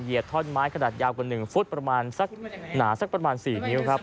เหยียบท่อนไม้ขนาดยาวกว่า๑ฟุตหนาประมาณสัก๔นิ้วครับ